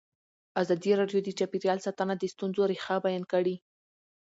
ازادي راډیو د چاپیریال ساتنه د ستونزو رېښه بیان کړې.